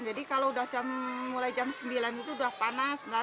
jadi kalau udah mulai jam sembilan itu udah panas